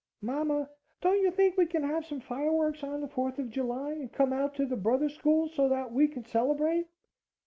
"MAMA, don't you think you can have some fireworks on the Fourth of July and come out to the Brothers School so that we can celebrate?"